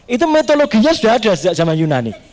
itu metodologinya sudah ada sejak zaman yunani